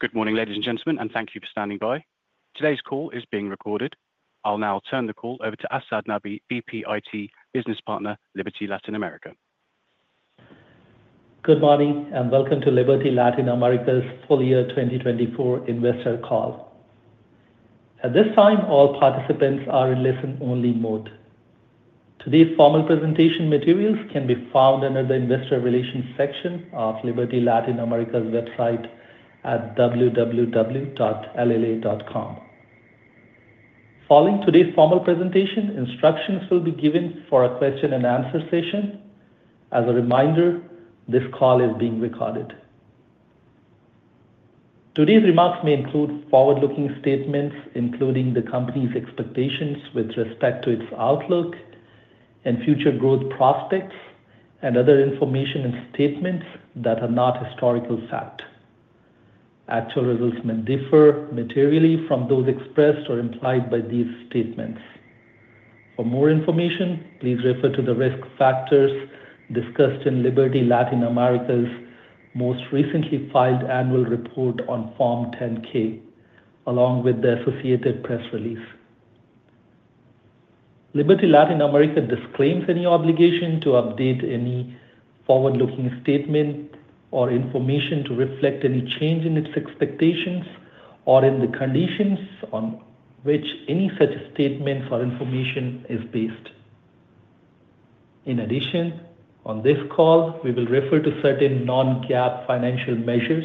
Good morning, ladies and gentlemen, and thank you for standing by. Today's call is being recorded. I'll now turn the call over to Asad Nabi, Senior Vice President of Finance and Head of Investor Relations, Liberty Latin America. Good morning, and welcome to Liberty Latin America's Full Year 2024 Investor Call. At this time, all participants are in listen-only mode. Today's formal presentation materials can be found under the Investor Relations section of Liberty Latin America's website at www.lla.com. Following today's formal presentation, instructions will be given for a question-and-answer session. As a reminder, this call is being recorded. Today's remarks may include forward-looking statements, including the company's expectations with respect to its outlook and future growth prospects, and other information and statements that are not historical fact. Actual results may differ materially from those expressed or implied by these statements. For more information, please refer to the risk factors discussed in Liberty Latin America's most recently filed annual report on Form 10-K, along with the associated press release. Liberty Latin America disclaims any obligation to update any forward-looking statement or information to reflect any change in its expectations or in the conditions on which any such statements or information is based. In addition, on this call, we will refer to certain non-GAAP financial measures,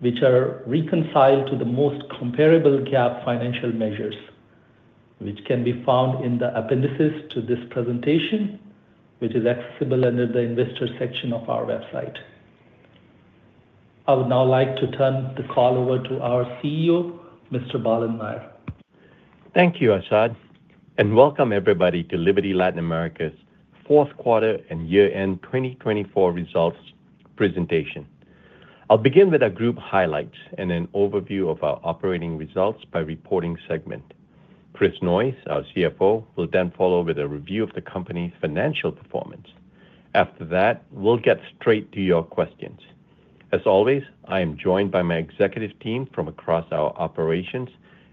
which are reconciled to the most comparable GAAP financial measures, which can be found in the appendices to this presentation, which is accessible under the investor section of our website. I would now like to turn the call over to our CEO, Mr. Balan Nair. Thank you, Asad, and welcome everybody to Liberty Latin America's fourth quarter and year-end 2024 results presentation. I'll begin with our group highlights and an overview of our operating results by reporting segment. Chris Noyes, our CFO, will then follow with a review of the company's financial performance. After that, we'll get straight to your questions. As always, I am joined by my executive team from across our operations,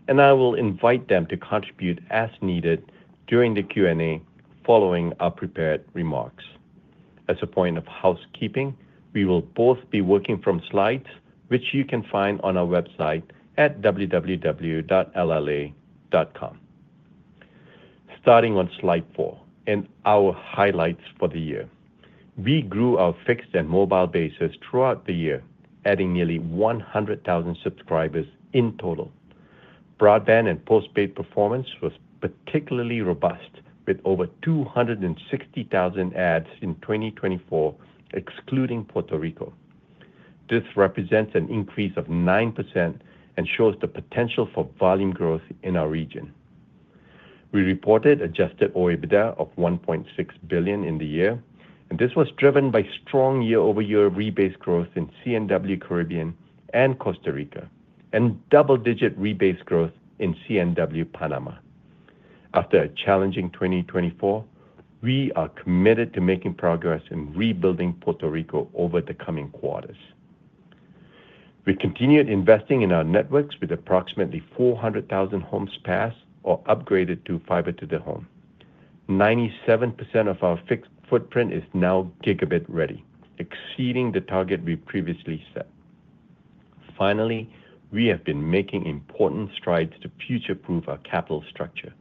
and I will invite them to contribute as needed during the Q&A following our prepared remarks. As a point of housekeeping, we will both be working from slides, which you can find on our website at www.lla.com. Starting on slide four and our highlights for the year, we grew our fixed and mobile bases throughout the year, adding nearly 100,000 subscribers in total. Broadband and postpaid performance was particularly robust, with over 260,000 adds in 2024, excluding Puerto Rico. This represents an increase of 9% and shows the potential for volume growth in our region. We reported adjusted EBITDA of $1.6 billion in the year, and this was driven by strong year-over-year rebased growth in C&W Caribbean and Costa Rica, and double-digit rebased growth in C&W Panama. After a challenging 2024, we are committed to making progress in rebuilding Puerto Rico over the coming quarters. We continued investing in our networks with approximately 400,000 homes passed or upgraded to fiber to the home. 97% of our fixed footprint is now gigabit ready, exceeding the target we previously set. Finally, we have been making important strides to future-proof our capital structure.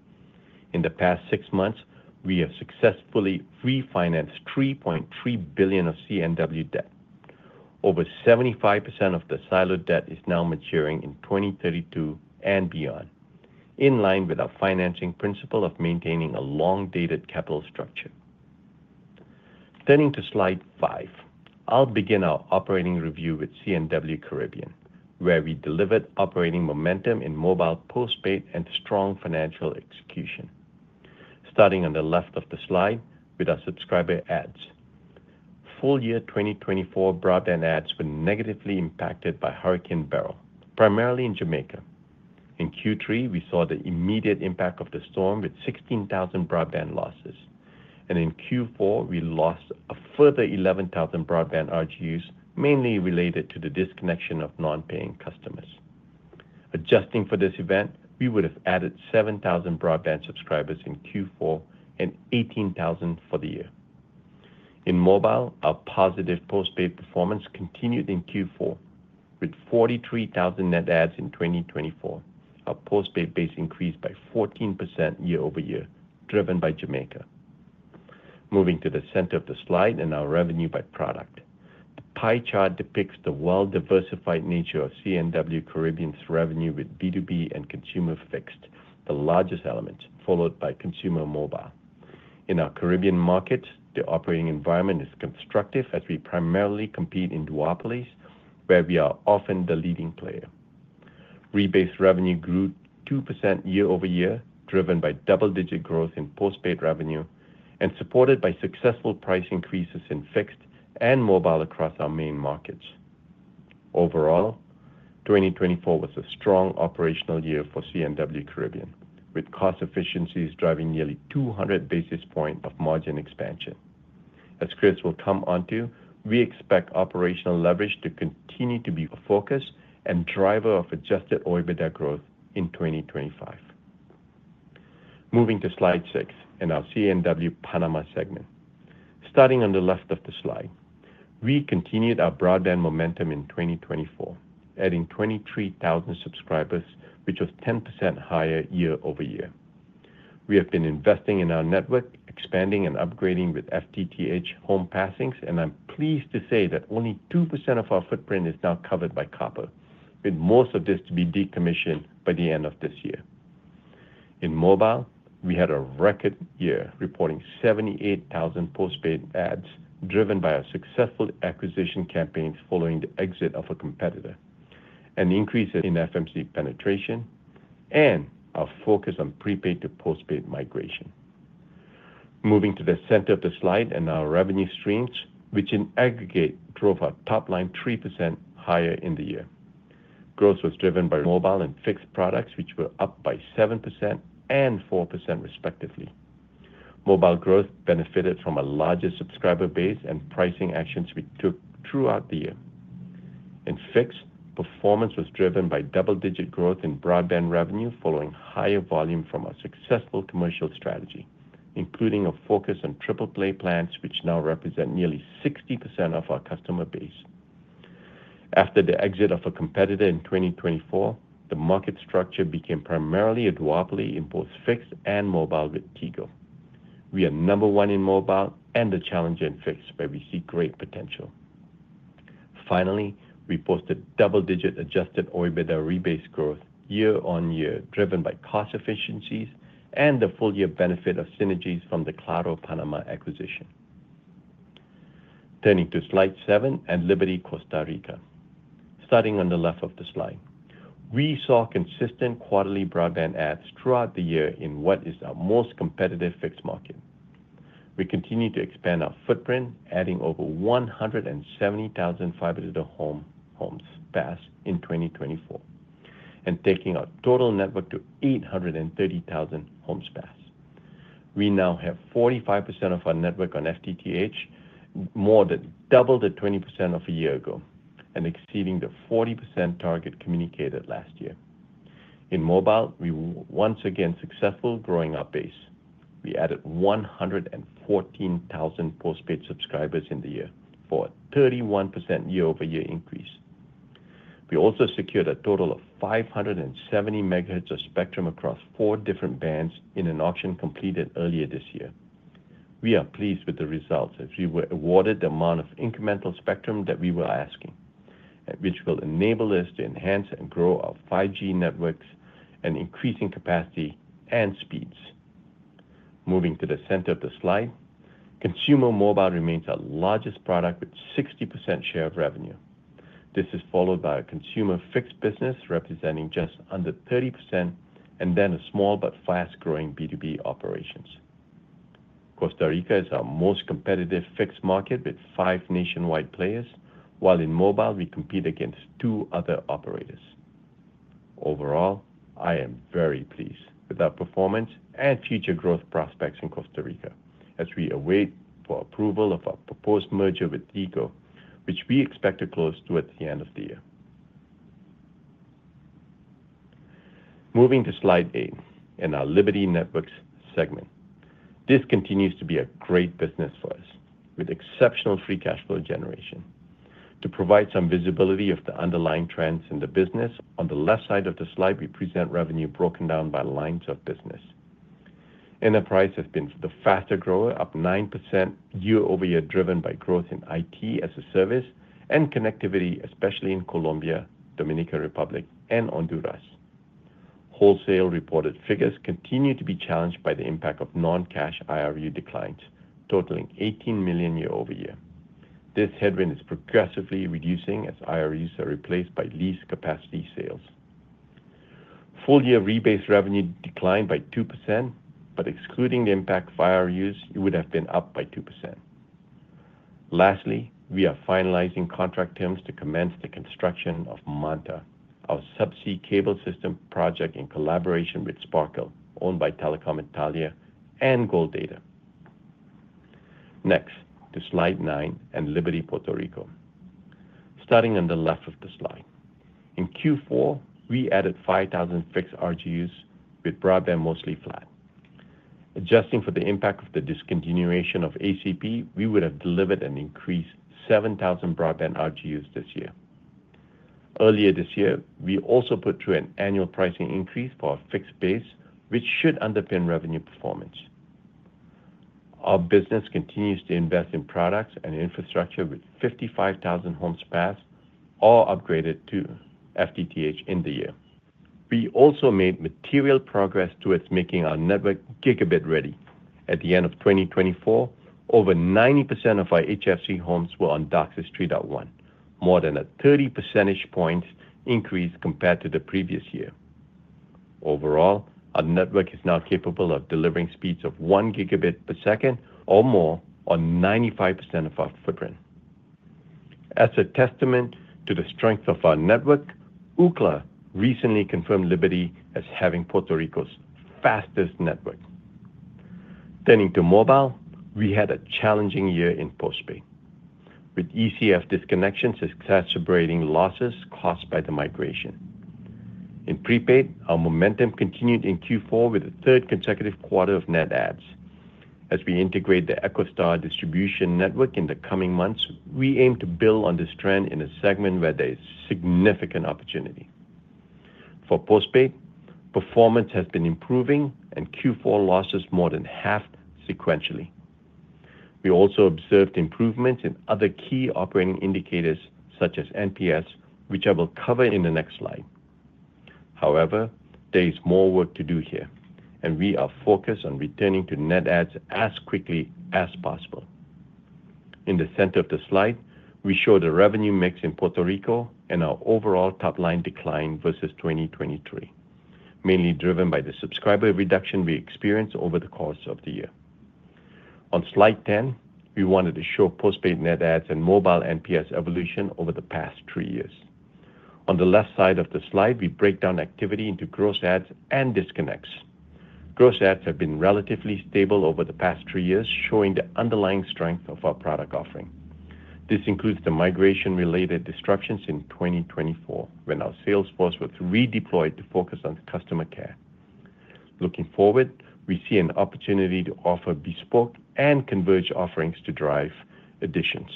In the past six months, we have successfully refinanced $3.3 billion of C&W debt. Over 75% of the siloed debt is now maturing in 2032 and beyond, in line with our financing principle of maintaining a long-dated capital structure. Turning to slide five, I'll begin our operating review with C&W Caribbean, where we delivered operating momentum in mobile postpaid and strong financial execution. Starting on the left of the slide with our subscriber adds, full year 2024 broadband adds were negatively impacted by Hurricane Beryl, primarily in Jamaica. In Q3, we saw the immediate impact of the storm with 16,000 broadband losses, and in Q4, we lost a further 11,000 broadband RGUs, mainly related to the disconnection of non-paying customers. Adjusting for this event, we would have added 7,000 broadband subscribers in Q4 and 18,000 for the year. In mobile, our positive postpaid performance continued in Q4 with 43,000 net adds in 2024, a postpaid base increase by 14% year-over-year, driven by Jamaica. Moving to the center of the slide and our revenue by product, the pie chart depicts the well-diversified nature of C&W Caribbean's revenue with B2B and consumer fixed, the largest elements, followed by consumer mobile. In our Caribbean market, the operating environment is constructive as we primarily compete in duopolies where we are often the leading player. Rebased revenue grew 2% year-over-year, driven by double-digit growth in postpaid revenue and supported by successful price increases in fixed and mobile across our main markets. Overall, 2024 was a strong operational year for C&W Caribbean, with cost efficiencies driving nearly 200 basis points of margin expansion. As Chris will come onto, we expect operational leverage to continue to be a focus and driver of Adjusted EBITDA growth in 2025. Moving to slide six and our C&W Panama segment. Starting on the left of the slide, we continued our broadband momentum in 2024, adding 23,000 subscribers, which was 10% higher year-over-year. We have been investing in our network, expanding and upgrading with FTTH homes passed, and I'm pleased to say that only 2% of our footprint is now covered by copper, with most of this to be decommissioned by the end of this year. In mobile, we had a record year reporting 78,000 postpaid adds, driven by our successful acquisition campaigns following the exit of a competitor, an increase in FMC penetration, and our focus on prepaid to postpaid migration. Moving to the center of the slide and our revenue streams, which in aggregate drove our top line 3% higher in the year. Growth was driven by mobile and fixed products, which were up by 7% and 4% respectively. Mobile growth benefited from a larger subscriber base and pricing actions we took throughout the year. In fixed, performance was driven by double-digit growth in broadband revenue following higher volume from our successful commercial strategy, including a focus on triple-play plans, which now represent nearly 60% of our customer base. After the exit of a competitor in 2024, the market structure became primarily a duopoly in both fixed and mobile with Tigo. We are number one in mobile and the challenger in fixed, where we see great potential. Finally, we posted double-digit adjusted EBITDA rebased growth year-on-year, driven by cost efficiencies and the full-year benefit of synergies from the Claro Panama acquisition. Turning to slide seven and Liberty Costa Rica. Starting on the left of the slide, we saw consistent quarterly broadband adds throughout the year in what is our most competitive fixed market. We continue to expand our footprint, adding over 170,000 fiber to the homes passed in 2024 and taking our total network to 830,000 homes passed. We now have 45% of our network on FTTH, more than double the 20% of a year ago, and exceeding the 40% target communicated last year. In mobile, we were once again successful growing our base. We added 114,000 postpaid subscribers in the year for a 31% year-over-year increase. We also secured a total of 570 megahertz of spectrum across four different bands in an auction completed earlier this year. We are pleased with the results as we were awarded the amount of incremental spectrum that we were asking, which will enable us to enhance and grow our 5G networks and increasing capacity and speeds. Moving to the center of the slide, consumer mobile remains our largest product with 60% share of revenue. This is followed by a consumer fixed business representing just under 30%, and then a small but fast-growing B2B operations. Costa Rica is our most competitive fixed market with five nationwide players, while in mobile, we compete against two other operators. Overall, I am very pleased with our performance and future growth prospects in Costa Rica as we await approval of our proposed merger with Tigo, which we expect to close at the end of the year. Moving to slide eight and our Liberty Networks segment. This continues to be a great business for us with exceptional free cash flow generation. To provide some visibility of the underlying trends in the business, on the left side of the slide, we present revenue broken down by lines of business. Enterprise has been the faster grower, up 9% year-over-year, driven by growth in IT as a service and connectivity, especially in Colombia, Dominican Republic, and Honduras. Wholesale reported figures continue to be challenged by the impact of non-cash IRU declines, totaling $18 million year-over-year. This headwind is progressively reducing as IRUs are replaced by lease capacity sales. Full-year rebased revenue declined by 2%, but excluding the impact of IRUs, it would have been up by 2%. Lastly, we are finalizing contract terms to commence the construction of Manta, our subsea cable system project in collaboration with Sparkle, owned by Telecom Italia and Gold Data. Next, to slide nine and Liberty Puerto Rico. Starting on the left of the slide. In Q4, we added 5,000 fixed RGUs with broadband mostly flat. Adjusting for the impact of the discontinuation of ACP, we would have delivered an increased 7,000 broadband RGUs this year. Earlier this year, we also put through an annual pricing increase for our fixed base, which should underpin revenue performance. Our business continues to invest in products and infrastructure with 55,000 homes passed all upgraded to FTTH in the year. We also made material progress towards making our network gigabit ready. At the end of 2024, over 90% of our HFC homes were on DOCSIS 3.1, more than a 30 percentage point increase compared to the previous year. Overall, our network is now capable of delivering speeds of one gigabit per second or more on 95% of our footprint. As a testament to the strength of our network, Ookla recently confirmed Liberty as having Puerto Rico's fastest network. Turning to mobile, we had a challenging year in postpaid with ECF disconnections exacerbating losses caused by the migration. In prepaid, our momentum continued in Q4 with the third consecutive quarter of net adds. As we integrate the EchoStar distribution network in the coming months, we aim to build on this trend in a segment where there is significant opportunity. For postpaid, performance has been improving and Q4 losses more than half sequentially. We also observed improvements in other key operating indicators such as NPS, which I will cover in the next slide. However, there is more work to do here, and we are focused on returning to net adds as quickly as possible. In the center of the slide, we show the revenue mix in Puerto Rico and our overall top line decline versus 2023, mainly driven by the subscriber reduction we experienced over the course of the year. On slide 10, we wanted to show postpaid net adds and mobile NPS evolution over the past three years. On the left side of the slide, we break down activity into gross adds and disconnects. Gross adds have been relatively stable over the past three years, showing the underlying strength of our product offering. This includes the migration-related disruptions in 2024 when our sales force was redeployed to focus on customer care. Looking forward, we see an opportunity to offer bespoke and converged offerings to drive additions.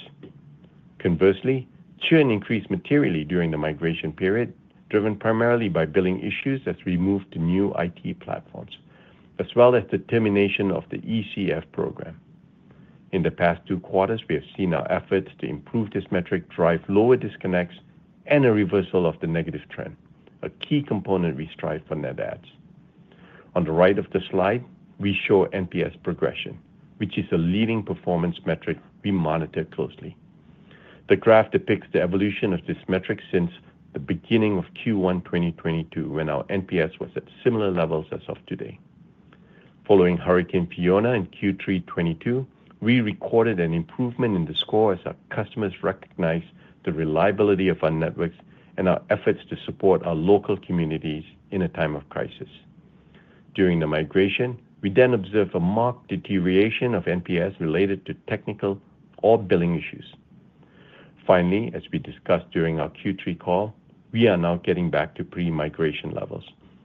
Conversely, churn increased materially during the migration period, driven primarily by billing issues as we moved to new IT platforms, as well as the termination of the ECF program. In the past two quarters, we have seen our efforts to improve this metric drive lower disconnects and a reversal of the negative trend, a key component we strive for net adds. On the right of the slide, we show NPS progression, which is a leading performance metric we monitor closely. The graph depicts the evolution of this metric since the beginning of Q1 2022, when our NPS was at similar levels as of today. Following Hurricane Fiona in Q3 2022, we recorded an improvement in the score as our customers recognized the reliability of our networks and our efforts to support our local communities in a time of crisis. During the migration, we then observed a marked deterioration of NPS related to technical or billing issues. Finally, as we discussed during our Q3 call, we are now getting back to pre-migration levels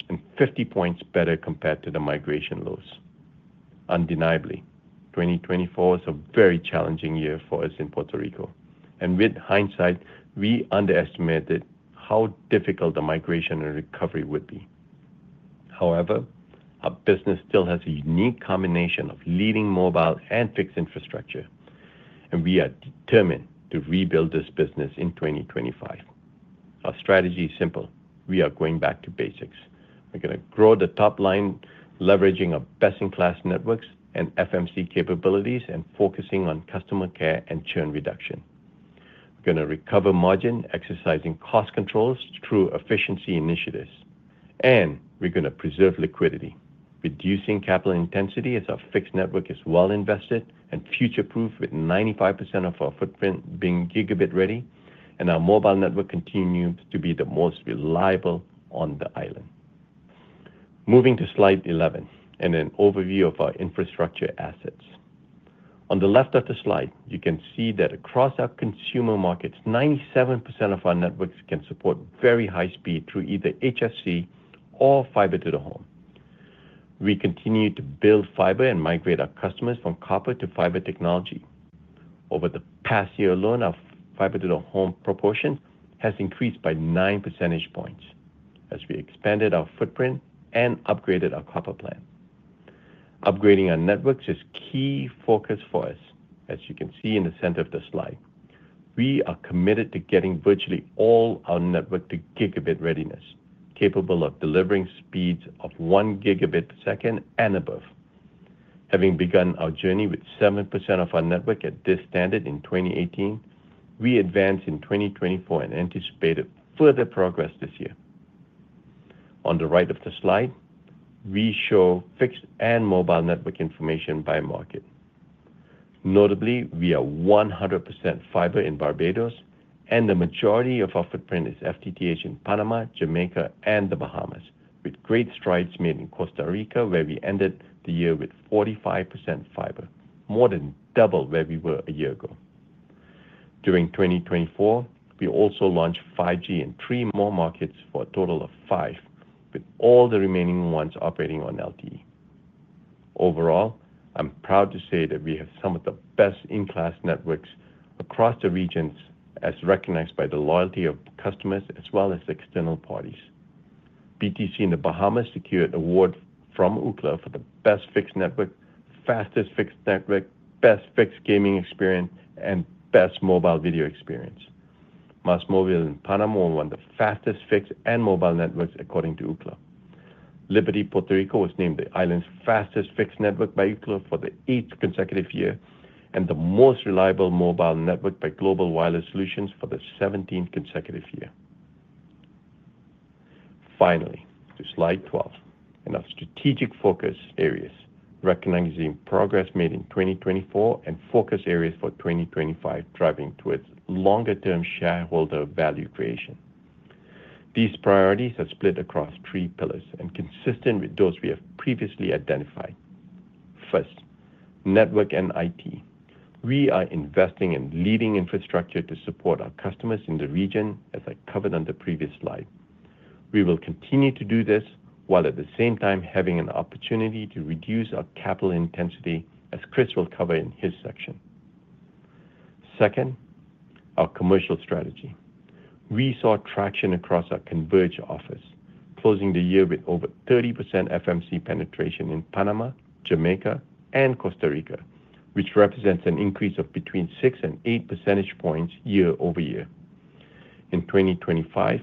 and 50 points better compared to the migration lows. Undeniably, 2024 was a very challenging year for us in Puerto Rico, and with hindsight, we underestimated how difficult the migration and recovery would be. However, our business still has a unique combination of leading mobile and fixed infrastructure, and we are determined to rebuild this business in 2025. Our strategy is simple. We are going back to basics. We're going to grow the top line, leveraging our best-in-class networks and FMC capabilities and focusing on customer care and churn reduction. We're going to recover margin, exercising cost controls through efficiency initiatives, and we're going to preserve liquidity, reducing capital intensity as our fixed network is well invested and future-proof with 95% of our footprint being gigabit ready, and our mobile network continues to be the most reliable on the island. Moving to slide 11 and an overview of our infrastructure assets. On the left of the slide, you can see that across our consumer markets, 97% of our networks can support very high speed through either HFC or fiber to the home. We continue to build fiber and migrate our customers from copper to fiber technology. Over the past year alone, our fiber to the home proportion has increased by 9 percentage points as we expanded our footprint and upgraded our copper plant. Upgrading our networks is a key focus for us, as you can see in the center of the slide. We are committed to getting virtually all our network to gigabit readiness, capable of delivering speeds of one gigabit per second and above. Having begun our journey with 7% of our network at this standard in 2018, we advance in 2024 and anticipate further progress this year. On the right of the slide, we show fixed and mobile network information by market. Notably, we are 100% fiber in Barbados, and the majority of our footprint is FTTH in Panama, Jamaica, and The Bahamas, with great strides made in Costa Rica, where we ended the year with 45% fiber, more than double where we were a year ago. During 2024, we also launched 5G in three more markets for a total of five, with all the remaining ones operating on LTE. Overall, I'm proud to say that we have some of the best-in-class networks across the regions as recognized by the loyalty of customers as well as external parties. BTC in The Bahamas secured award from Ookla for the best fixed network, fastest fixed network, best fixed gaming experience, and best mobile video experience. MásMóvil in Panama won the fastest fixed and mobile networks according to Ookla. Liberty Puerto Rico was named the island's fastest fixed network by Ookla for the eighth consecutive year and the most reliable mobile network by Global Wireless Solutions for the 17th consecutive year. Finally, to slide 12, and our strategic focus areas, recognizing progress made in 2024 and focus areas for 2025 driving towards longer-term shareholder value creation. These priorities are split across three pillars and consistent with those we have previously identified. First, network and IT. We are investing in leading infrastructure to support our customers in the region, as I covered on the previous slide. We will continue to do this while at the same time having an opportunity to reduce our capital intensity, as Chris will cover in his section. Second, our commercial strategy. We saw traction across our converged offers, closing the year with over 30% FMC penetration in Panama, Jamaica, and Costa Rica, which represents an increase of between 6 and 8 percentage points year-over-year. In 2025,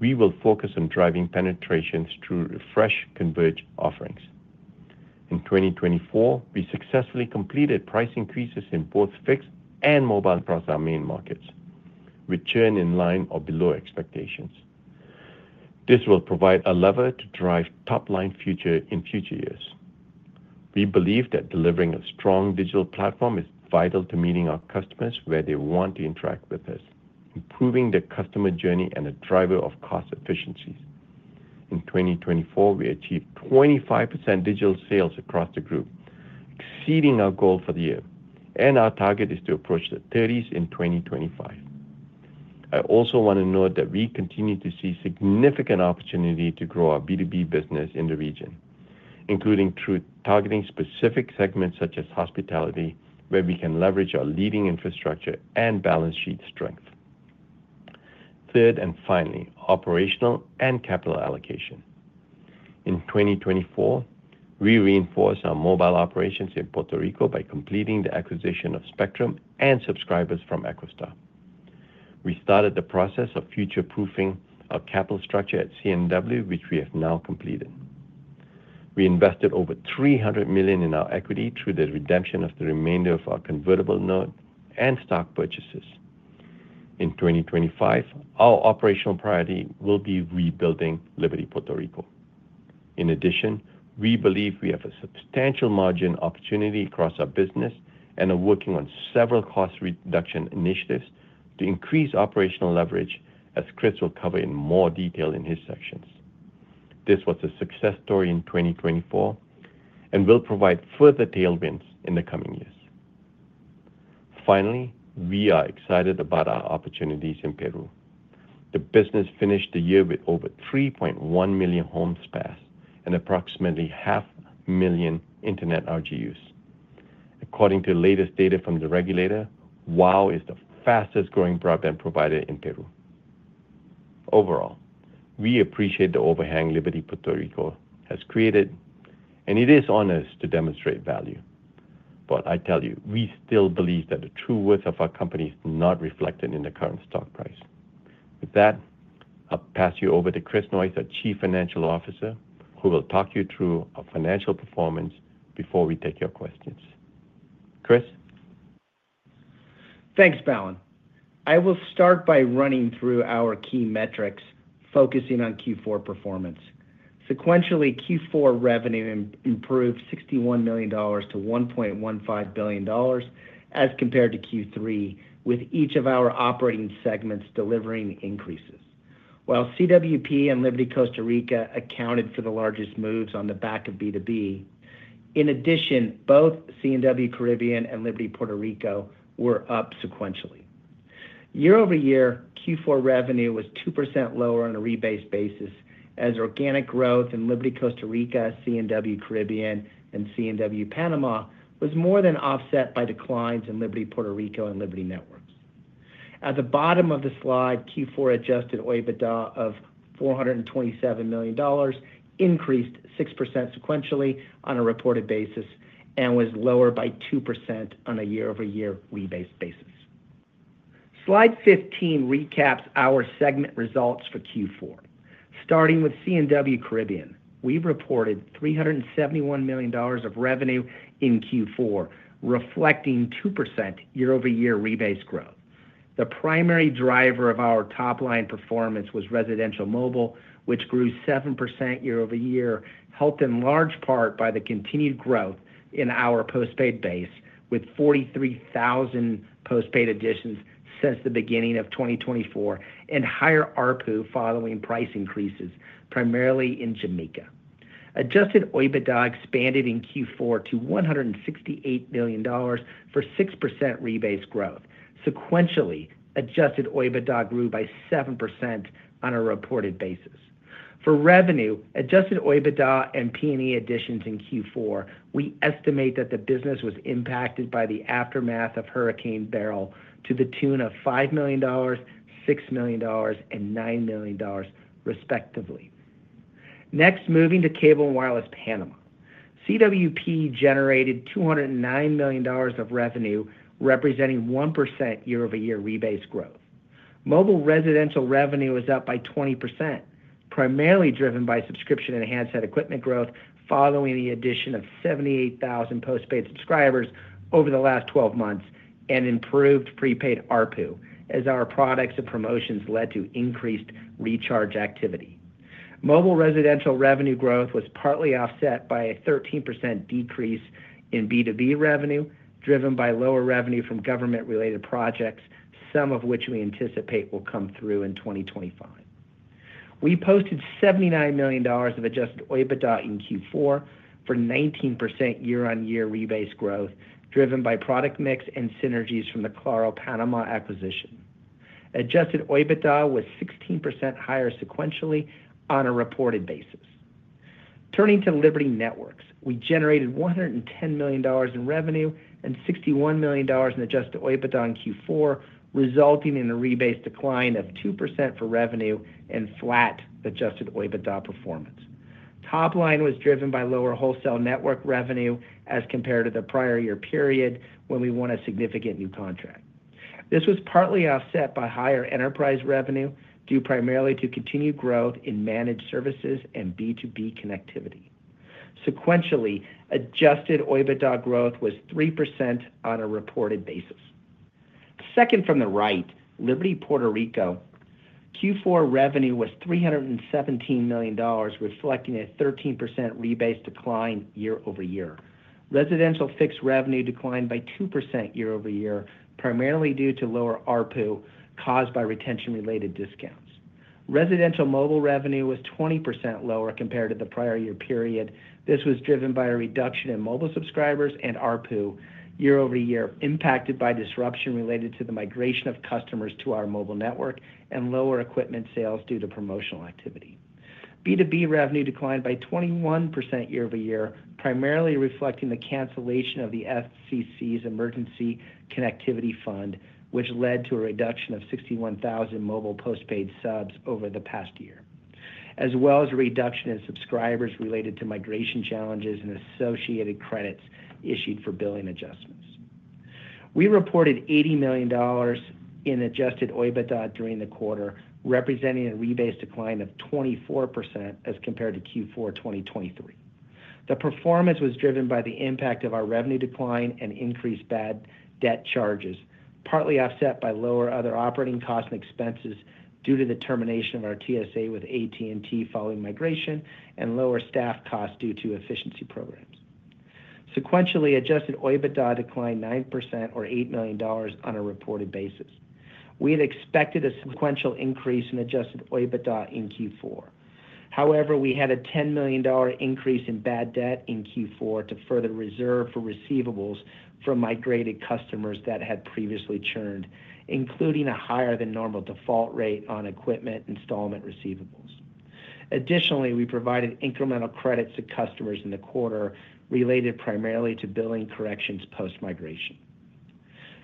we will focus on driving penetrations through refreshed converged offerings. In 2024, we successfully completed price increases in both fixed and mobile across our main markets, with churn in line or below expectations. This will provide a lever to drive top line further in future years. We believe that delivering a strong digital platform is vital to meeting our customers where they want to interact with us, improving their customer journey and a driver of cost efficiencies. In 2024, we achieved 25% digital sales across the group, exceeding our goal for the year, and our target is to approach the 30s in 2025. I also want to note that we continue to see significant opportunity to grow our B2B business in the region, including through targeting specific segments such as hospitality, where we can leverage our leading infrastructure and balance sheet strength. Third and finally, operational and capital allocation. In 2024, we reinforced our mobile operations in Puerto Rico by completing the acquisition of spectrum and subscribers from EchoStar. We started the process of future-proofing our capital structure at C&W, which we have now completed. We invested over $300 million in our equity through the redemption of the remainder of our convertible note and stock purchases. In 2025, our operational priority will be rebuilding Liberty Puerto Rico. In addition, we believe we have a substantial margin opportunity across our business and are working on several cost reduction initiatives to increase operational leverage, as Chris will cover in more detail in his sections. This was a success story in 2024 and will provide further tailwinds in the coming years. Finally, we are excited about our opportunities in Peru. The business finished the year with over 3.1 million homes passed and approximately 500,000 internet RGUs. According to latest data from the regulator, WOW is the fastest-growing broadband provider in Peru. Overall, we appreciate the overhang Liberty Puerto Rico has created, and it is on us to demonstrate value. But I tell you, we still believe that the true worth of our company is not reflected in the current stock price. With that, I'll pass you over to Chris Noyes, our Chief Financial Officer, who will talk you through our financial performance before we take your questions. Chris. Thanks, Balan. I will start by running through our key metrics, focusing on Q4 performance. Sequentially, Q4 revenue improved $61 million to $1.15 billion as compared to Q3, with each of our operating segments delivering increases. While CWP and Liberty Costa Rica accounted for the largest moves on the back of B2B, in addition, both C&W Caribbean and Liberty Puerto Rico were up sequentially. Year-over-year, Q4 revenue was 2% lower on a rebase basis, as organic growth in Liberty Costa Rica, C&W Caribbean, and C&W Panama was more than offset by declines in Liberty Puerto Rico and Liberty Networks. At the bottom of the slide, Q4 adjusted OIBDA of $427 million increased 6% sequentially on a reported basis and was lower by 2% on a year-over-year rebase basis. Slide 15 recaps our segment results for Q4. Starting with C&W Caribbean, we reported $371 million of revenue in Q4, reflecting 2% year-over-year rebased growth. The primary driver of our top line performance was residential mobile, which grew 7% year-over-year, helped in large part by the continued growth in our postpaid base, with 43,000 postpaid additions since the beginning of 2024 and higher ARPU following price increases, primarily in Jamaica. Adjusted OIBDA expanded in Q4 to $168 million for 6% rebased growth. Sequentially, adjusted OIBDA grew by 7% on a reported basis. For revenue, adjusted OIBDA and P&E additions in Q4, we estimate that the business was impacted by the aftermath of Hurricane Beryl to the tune of $5 million, $6 million, and $9 million, respectively. Next, moving to Cable & Wireless Panama. CWP generated $209 million of revenue, representing 1% year-over-year rebased growth. Mobile residential revenue was up by 20%, primarily driven by subscription-enhanced handset growth following the addition of 78,000 postpaid subscribers over the last 12 months and improved prepaid ARPU, as our products and promotions led to increased recharge activity. Mobile residential revenue growth was partly offset by a 13% decrease in B2B revenue, driven by lower revenue from government-related projects, some of which we anticipate will come through in 2025. We posted $79 million of adjusted OIBDA in Q4 for 19% year-on-year rebased growth, driven by product mix and synergies from the Claro Panama acquisition. Adjusted OIBDA was 16% higher sequentially on a reported basis. Turning to Liberty Networks, we generated $110 million in revenue and $61 million in adjusted OIBDA in Q4, resulting in a rebased decline of 2% for revenue and flat adjusted OIBDA performance. Top line was driven by lower wholesale network revenue as compared to the prior year period when we won a significant new contract. This was partly offset by higher enterprise revenue due primarily to continued growth in managed services and B2B connectivity. Sequentially, adjusted OIBDA growth was 3% on a reported basis. Second from the right, Liberty Puerto Rico. Q4 revenue was $317 million, reflecting a 13% rebased decline year-over-year. Residential fixed revenue declined by 2% year-over-year, primarily due to lower ARPU caused by retention-related discounts. Residential mobile revenue was 20% lower compared to the prior year period. This was driven by a reduction in mobile subscribers and ARPU year-over-year, impacted by disruption related to the migration of customers to our mobile network and lower equipment sales due to promotional activity. B2B revenue declined by 21% year-over-year, primarily reflecting the cancellation of the FCC's Emergency Connectivity Fund, which led to a reduction of 61,000 mobile postpaid subs over the past year, as well as a reduction in subscribers related to migration challenges and associated credits issued for billing adjustments. We reported $80 million in adjusted OIBDA during the quarter, representing a rebased decline of 24% as compared to Q4 2023. The performance was driven by the impact of our revenue decline and increased bad debt charges, partly offset by lower other operating costs and expenses due to the termination of our TSA with AT&T following migration and lower staff costs due to efficiency programs. Sequentially, adjusted OIBDA declined 9% or $8 million on a reported basis. We had expected a sequential increase in adjusted OIBDA in Q4. However, we had a $10 million increase in bad debt in Q4 to further reserve for receivables from migrated customers that had previously churned, including a higher-than-normal default rate on equipment installment receivables. Additionally, we provided incremental credits to customers in the quarter related primarily to billing corrections post-migration.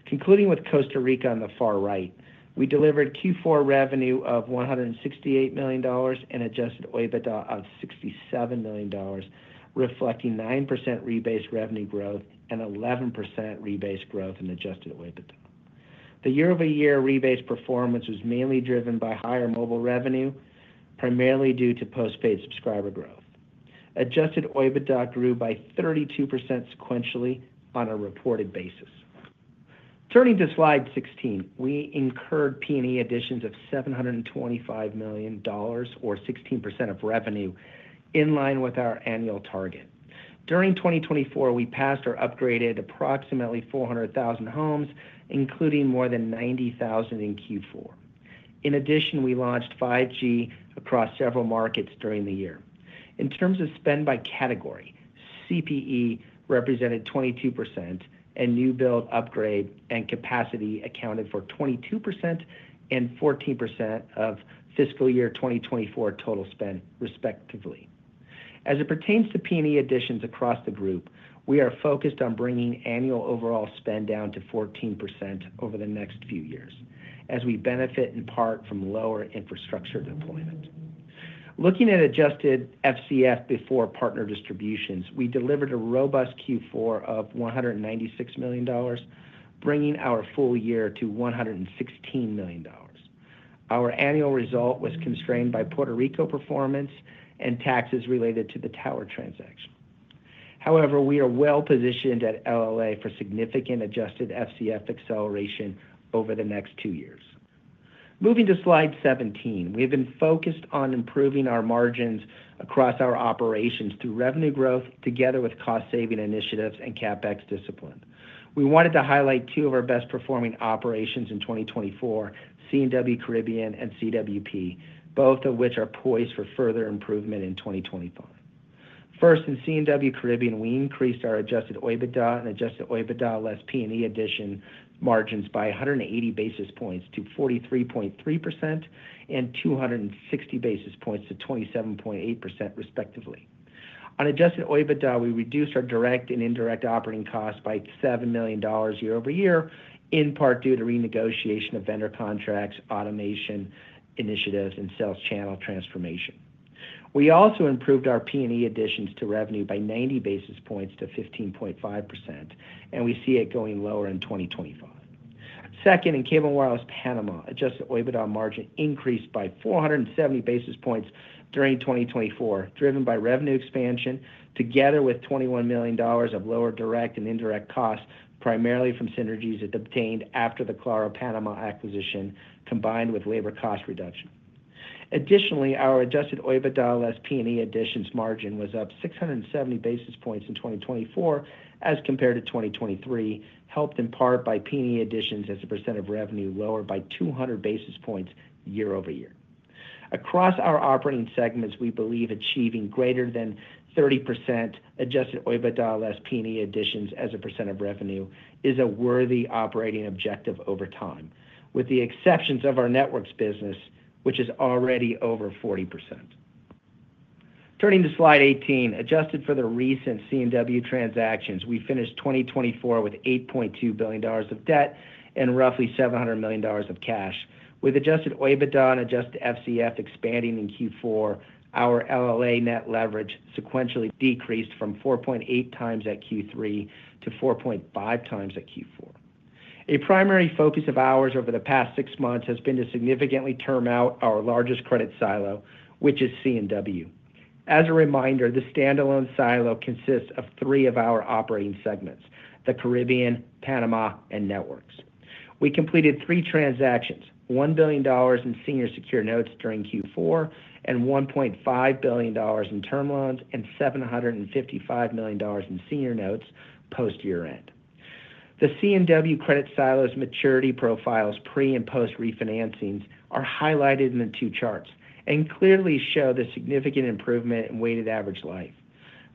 Concluding with Costa Rica on the far right, we delivered Q4 revenue of $168 million and Adjusted OIBDA of $67 million, reflecting 9% rebased revenue growth and 11% rebased growth in Adjusted OIBDA. The year-over-year rebased performance was mainly driven by higher mobile revenue, primarily due to postpaid subscriber growth. Adjusted OIBDA grew by 32% sequentially on a reported basis. Turning to slide 16, we incurred P&E Additions of $725 million or 16% of revenue, in line with our annual target. During 2024, we passed or upgraded approximately 400,000 homes, including more than 90,000 in Q4. In addition, we launched 5G across several markets during the year. In terms of spend by category, CPE represented 22%, and new build, upgrade, and capacity accounted for 22% and 14% of fiscal year 2024 total spend, respectively. As it pertains to P&E additions across the group, we are focused on bringing annual overall spend down to 14% over the next few years, as we benefit in part from lower infrastructure deployment. Looking at adjusted FCF before partner distributions, we delivered a robust Q4 of $196 million, bringing our full year to $116 million. Our annual result was constrained by Puerto Rico performance and taxes related to the tower transaction. However, we are well positioned at LLA for significant adjusted FCF acceleration over the next two years. Moving to slide 17, we have been focused on improving our margins across our operations through revenue growth, together with cost-saving initiatives and CapEx discipline. We wanted to highlight two of our best-performing operations in 2024, C&W Caribbean and CWP, both of which are poised for further improvement in 2025. First, in C&W Caribbean, we increased our adjusted OIBDA and adjusted OIBDA less P&E addition margins by 180 basis points to 43.3% and 260 basis points to 27.8%, respectively. On adjusted OIBDA, we reduced our direct and indirect operating costs by $7 million year-over-year, in part due to renegotiation of vendor contracts, automation initiatives, and sales channel transformation. We also improved our P&E additions to revenue by 90 basis points to 15.5%, and we see it going lower in 2025. Second, in Cable & Wireless Panama, Adjusted OIBDA margin increased by 470 basis points during 2024, driven by revenue expansion, together with $21 million of lower direct and indirect costs, primarily from synergies obtained after the Claro Panama acquisition, combined with labor cost reduction. Additionally, our Adjusted OIBDA less P&E additions margin was up 670 basis points in 2024, as compared to 2023, helped in part by P&E additions as a percent of revenue lower by 200 basis points year-over-year. Across our operating segments, we believe achieving greater than 30% Adjusted OIBDA less P&E additions as a percent of revenue is a worthy operating objective over time, with the exceptions of our networks business, which is already over 40%. Turning to slide 18, adjusted for the recent C&W transactions, we finished 2024 with $8.2 billion of debt and roughly $700 million of cash. With adjusted OIBDA and adjusted FCF expanding in Q4, our LLA net leverage sequentially decreased from 4.8 times at Q3 to 4.5 times at Q4. A primary focus of ours over the past six months has been to significantly term out our largest credit silo, which is C&W. As a reminder, the standalone silo consists of three of our operating segments: the Caribbean, Panama, and networks. We completed three transactions: $1 billion in senior secure notes during Q4, and $1.5 billion in term loans, and $755 million in senior notes post-year-end. The C&W credit silo's maturity profiles, pre and post-refinancings, are highlighted in the two charts and clearly show the significant improvement in weighted average life.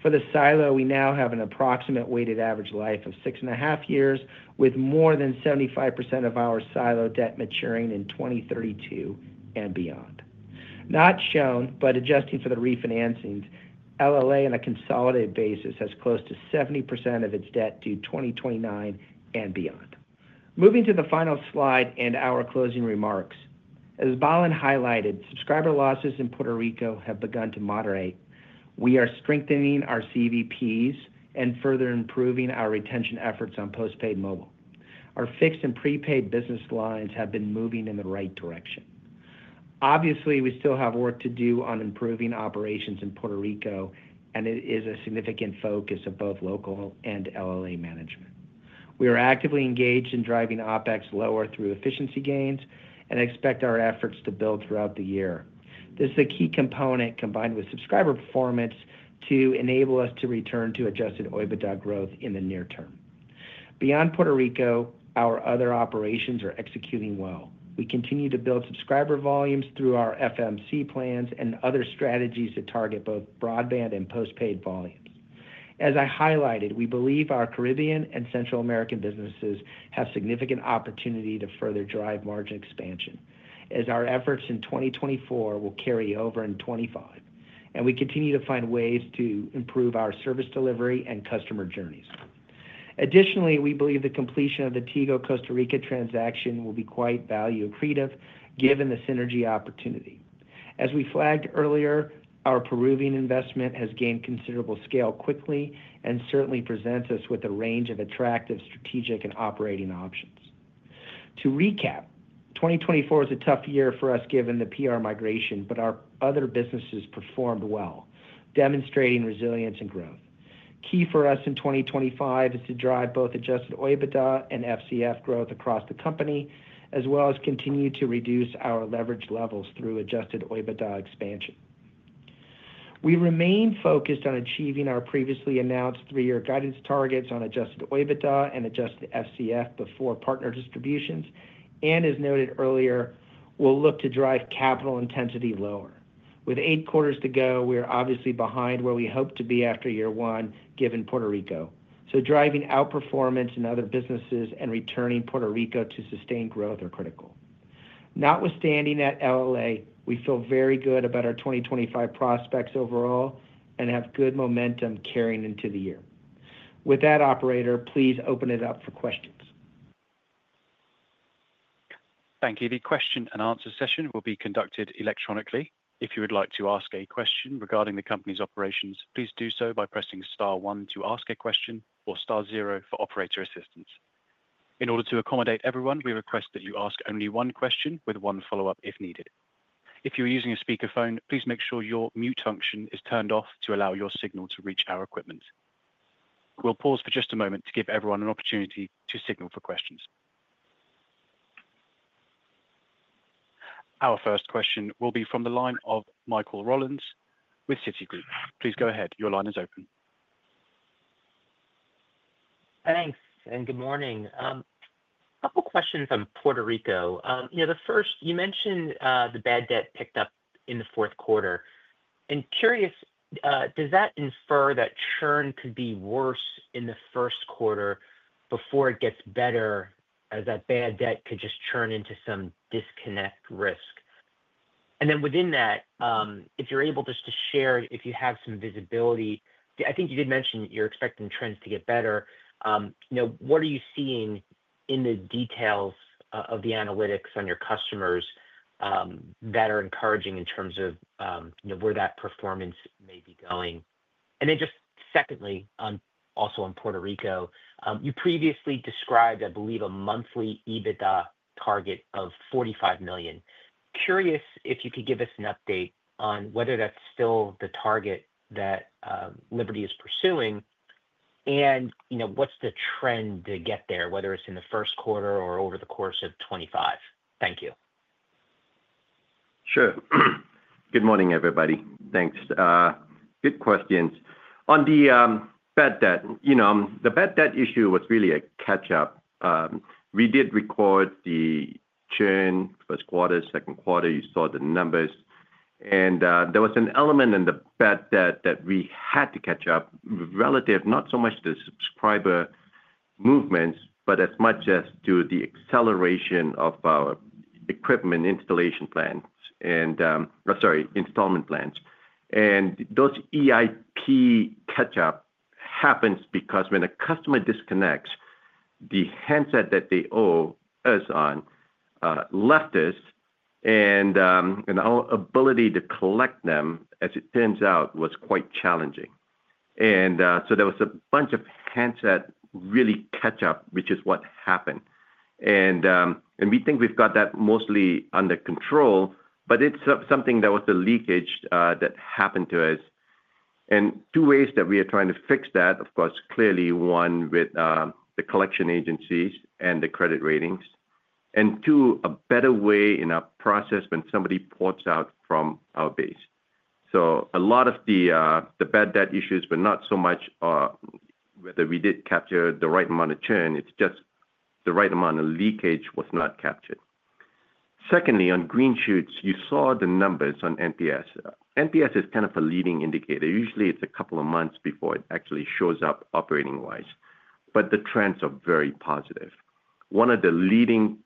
For the silo, we now have an approximate weighted average life of six and a half years, with more than 75% of our silo debt maturing in 2032 and beyond. Not shown, but adjusting for the refinancings, LLA on a consolidated basis has close to 70% of its debt due 2029 and beyond. Moving to the final slide and our closing remarks. As Balan highlighted, subscriber losses in Puerto Rico have begun to moderate. We are strengthening our CVPs and further improving our retention efforts on postpaid mobile. Our fixed and prepaid business lines have been moving in the right direction. Obviously, we still have work to do on improving operations in Puerto Rico, and it is a significant focus of both local and LLA management. We are actively engaged in driving OpEx lower through efficiency gains and expect our efforts to build throughout the year. This is a key component combined with subscriber performance to enable us to return to adjusted OIBDA growth in the near term. Beyond Puerto Rico, our other operations are executing well. We continue to build subscriber volumes through our FMC plans and other strategies that target both broadband and postpaid volumes. As I highlighted, we believe our Caribbean and Central American businesses have significant opportunity to further drive margin expansion, as our efforts in 2024 will carry over in 2025, and we continue to find ways to improve our service delivery and customer journeys. Additionally, we believe the completion of the Tigo Costa Rica transaction will be quite value-accretive, given the synergy opportunity. As we flagged earlier, our Peruvian investment has gained considerable scale quickly and certainly presents us with a range of attractive strategic and operating options. To recap, 2024 was a tough year for us given the PR migration, but our other businesses performed well, demonstrating resilience and growth. Key for us in 2025 is to drive both Adjusted OIBDA and Adjusted FCF growth across the company, as well as continue to reduce our leverage levels through Adjusted OIBDA expansion. We remain focused on achieving our previously announced three-year guidance targets on Adjusted OIBDA and Adjusted FCF before partner distributions, and as noted earlier, we'll look to drive capital intensity lower. With eight quarters to go, we are obviously behind where we hoped to be after year one, given Puerto Rico. So driving outperformance in other businesses and returning Puerto Rico to sustained growth are critical. Notwithstanding that LLA, we feel very good about our 2025 prospects overall and have good momentum carrying into the year. With that, operator, please open it up for questions. Thank you. The question and answer session will be conducted electronically. If you would like to ask a question regarding the company's operations, please do so by pressing Star 1 to ask a question or Star 0 for operator assistance. In order to accommodate everyone, we request that you ask only one question with one follow-up if needed. If you are using a speakerphone, please make sure your mute function is turned off to allow your signal to reach our equipment. We'll pause for just a moment to give everyone an opportunity to signal for questions. Our first question will be from the line of Michael Rollins with Citi. Please go ahead. Your line is open. Thanks, and good morning. A couple of questions on Puerto Rico. You know, the first, you mentioned the bad debt picked up in the fourth quarter. Curious, does that infer that churn could be worse in the first quarter before it gets better, as that bad debt could just churn into some disconnect risk? And then within that, if you're able just to share if you have some visibility, I think you did mention you're expecting trends to get better. You know, what are you seeing in the details of the analytics on your customers that are encouraging in terms of where that performance may be going? And then just secondly, also on Puerto Rico, you previously described, I believe, a monthly EBITDA target of $45 million. Curious if you could give us an update on whether that's still the target that Liberty is pursuing, and what's the trend to get there, whether it's in the first quarter or over the course of 2025. Thank you. Sure. Good morning, everybody. Thanks. Good questions. On the bad debt, you know, the bad debt issue was really a catch-up. We did record the churn first quarter, second quarter. You saw the numbers, and there was an element in the bad debt that we had to catch up, relative, not so much to the subscriber movements, but as much as to the acceleration of our equipment installation plans and, sorry, installment plans, and those EIP catch-up happens because when a customer disconnects, the handset that they owe us on left us, and our ability to collect them, as it turns out, was quite challenging, and so there was a bunch of handset really catch-up, which is what happened, and we think we've got that mostly under control, but it's something that was the leakage that happened to us. And two ways that we are trying to fix that, of course, clearly, one with the collection agencies and the credit ratings, and two, a better way in our process when somebody ports out from our base. So a lot of the bad debt issues were not so much whether we did capture the right amount of churn. It's just the right amount of leakage was not captured. Secondly, on green shoots, you saw the numbers on NPS. NPS is kind of a leading indicator. Usually, it's a couple of months before it actually shows up operating-wise, but the trends are very positive. One of the leading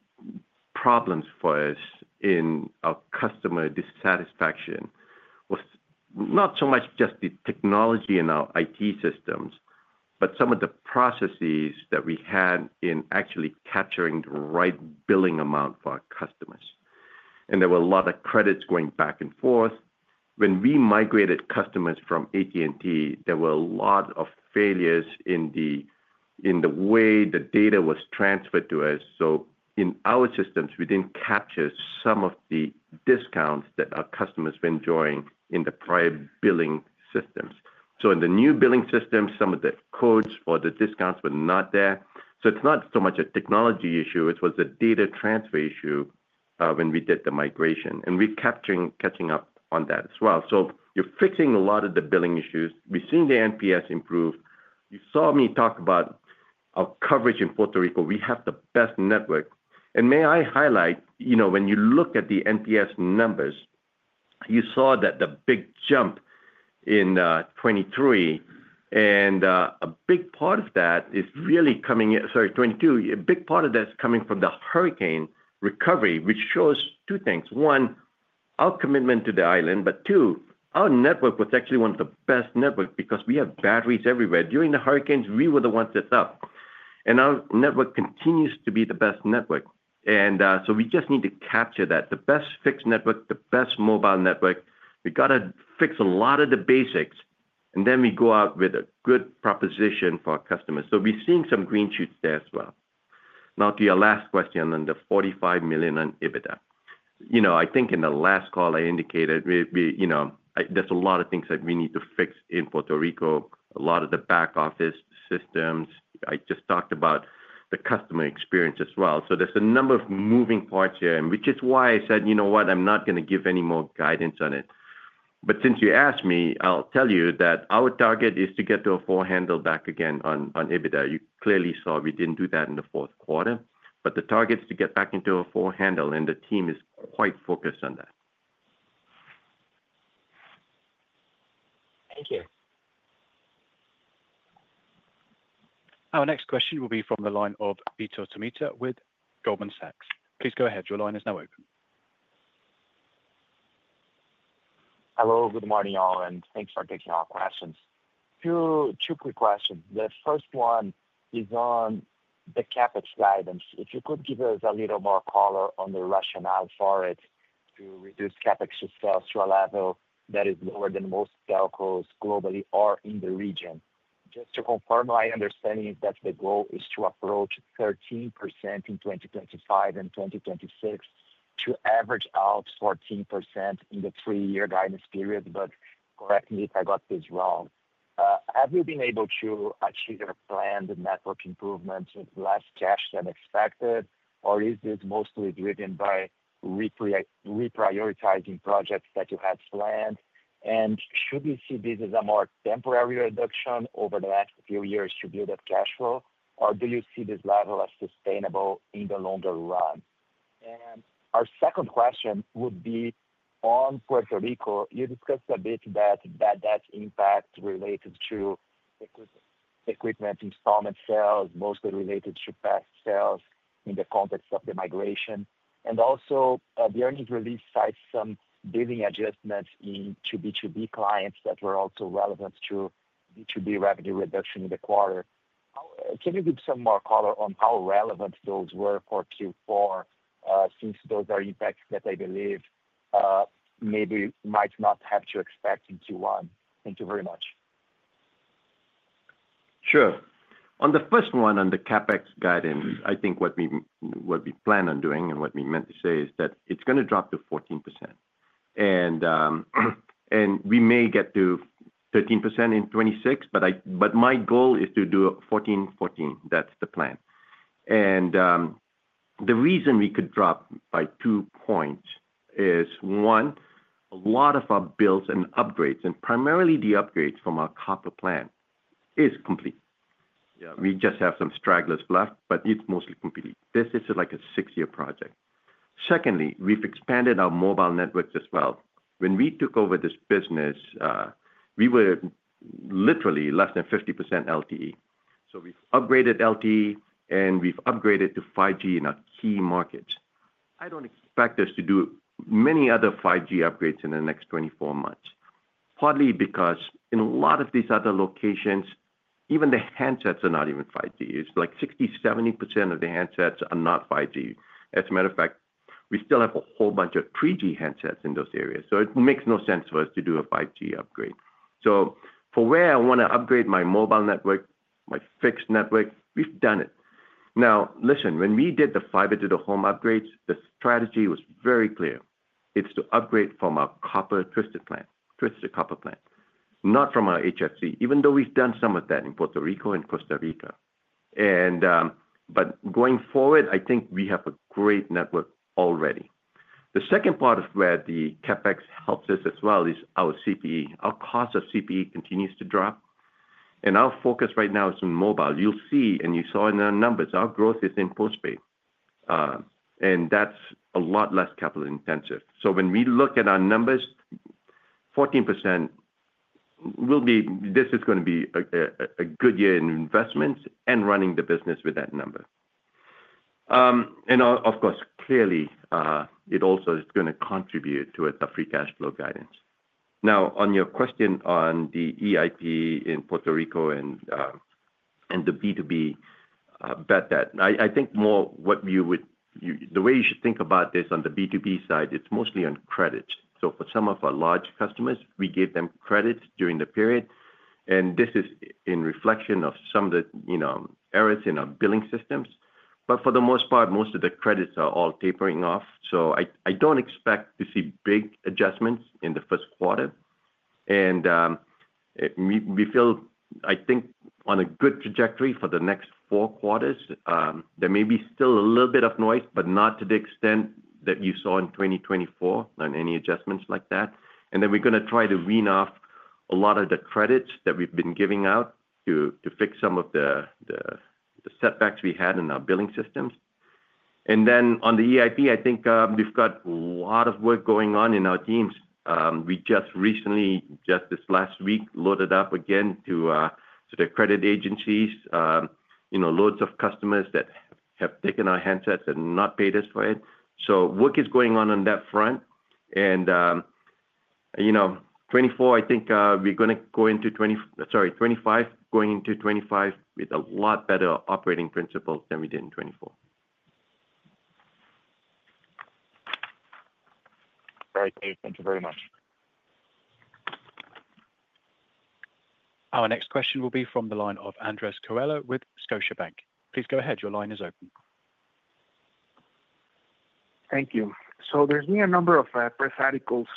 problems for us in our customer dissatisfaction was not so much just the technology in our IT systems, but some of the processes that we had in actually capturing the right billing amount for our customers. There were a lot of credits going back and forth. When we migrated customers from AT&T, there were a lot of failures in the way the data was transferred to us. In our systems, we didn't capture some of the discounts that our customers were enjoying in the prior billing systems. In the new billing system, some of the codes or the discounts were not there. It's not so much a technology issue. It was a data transfer issue when we did the migration. We're catching up on that as well. You're fixing a lot of the billing issues. We've seen the NPS improve. You saw me talk about our coverage in Puerto Rico. We have the best network. And may I highlight, you know, when you look at the NPS numbers, you saw that the big jump in 2023, and a big part of that is really coming in, sorry, 2022, a big part of that is coming from the hurricane recovery, which shows two things. One, our commitment to the island, but two, our network was actually one of the best networks because we have batteries everywhere. During the hurricanes, we were the ones that sucked. And our network continues to be the best network. And so we just need to capture that, the best fixed network, the best mobile network. We got to fix a lot of the basics, and then we go out with a good proposition for our customers. So we're seeing some green shoots there as well. Now, to your last question on the $45 million on EBITDA. You know, I think in the last call, I indicated, you know, there's a lot of things that we need to fix in Puerto Rico, a lot of the back office systems. I just talked about the customer experience as well. So there's a number of moving parts here, which is why I said, you know what, I'm not going to give any more guidance on it. But since you asked me, I'll tell you that our target is to get to a full handle back again on EBITDA. You clearly saw we didn't do that in the fourth quarter, but the target is to get back into a full handle, and the team is quite focused on that. Thank you. Our next question will be from the line of Vitor Tomita with Goldman Sachs. Please go ahead. Your line is now open. Hello, good morning, all, and thanks for taking our questions. Two quick questions. The first one is on the CapEx guidance. If you could give us a little more color on the rationale for it to reduce CapEx to sales to a level that is lower than most telcos globally or in the region? Just to confirm my understanding is that the goal is to approach 13% in 2025 and 2026 to average out 14% in the three-year guidance period, but correct me if I got this wrong. Have you been able to achieve your planned network improvements with less cash than expected, or is this mostly driven by reprioritizing projects that you had planned? And should we see this as a more temporary reduction over the last few years to build up cash flow, or do you see this level as sustainable in the longer run? And our second question would be on Puerto Rico. You discussed a bit that that impact related to equipment installment sales, mostly related to past sales in the context of the migration. And also, the earnings release cites some billing adjustments into B2B clients that were also relevant to B2B revenue reduction in the quarter. Can you give some more color on how relevant those were for Q4 since those are impacts that I believe maybe might not have to expect in Q1? Thank you very much. Sure. On the first one on the CapEx guidance, I think what we plan on doing and what we meant to say is that it's going to drop to 14%. And we may get to 13% in 2026, but my goal is to do 14, 14. That's the plan. And the reason we could drop by two points is, one, a lot of our builds and upgrades, and primarily the upgrades from our copper plant, is complete. We just have some stragglers left, but it's mostly complete. This is like a six-year project. Secondly, we've expanded our mobile networks as well. When we took over this business, we were literally less than 50% LTE. So we've upgraded LTE, and we've upgraded to 5G in our key markets. I don't expect us to do many other 5G upgrades in the next 24 months, partly because in a lot of these other locations, even the handsets are not even 5G. It's like 60%-70% of the handsets are not 5G. As a matter of fact, we still have a whole bunch of 3G handsets in those areas. So it makes no sense for us to do a 5G upgrade. So for where I want to upgrade my mobile network, my fixed network, we've done it. Now, listen, when we did the fiber to the home upgrades, the strategy was very clear. It's to upgrade from our copper twisted pair, twisted copper pair, not from our HFC, even though we've done some of that in Puerto Rico and Costa Rica. And but going forward, I think we have a great network already. The second part of where the CapEx helps us as well is our CPE. Our cost of CPE continues to drop. And our focus right now is on mobile. You'll see, and you saw in our numbers, our growth is in postpaid. And that's a lot less capital intensive. So when we look at our numbers, 14% will be this is going to be a good year in investments and running the business with that number. And of course, clearly, it also is going to contribute to a free cash flow guidance. Now, on your question on the EIP in Puerto Rico and the B2B bet that, I think more what you would the way you should think about this on the B2B side, it's mostly on credits. So for some of our large customers, we gave them credits during the period. And this is in reflection of some of the errors in our billing systems. But for the most part, most of the credits are all tapering off. So I don't expect to see big adjustments in the first quarter. And we feel, I think, on a good trajectory for the next four quarters. There may be still a little bit of noise, but not to the extent that you saw in 2024 on any adjustments like that. And then we're going to try to wean off a lot of the credits that we've been giving out to fix some of the setbacks we had in our billing systems. And then on the EIP, I think we've got a lot of work going on in our teams. We just recently, just this last week, loaded up again to the credit agencies, you know, loads of customers that have taken our handsets and not paid us for it. So work is going on on that front. And, you know, 2024, I think we're going to go into 2025, sorry, 2025, going into 2025 with a lot better operating principles than we did in 2024. All right [audio distorition], thank you very much. Our next question will be from the line of Andres Coello with Scotiabank. Please go ahead. Your line is open. Thank you. So there's been a number of press articles